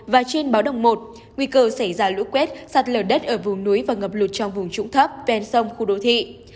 và trên báo đồng một nguy cơ xảy ra lũ quét sạt lở đất ở vùng núi và ngập lụt trong vùng trũng thấp ven sông khu đô thị